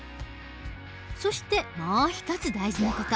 そしてもう一つ大事な事。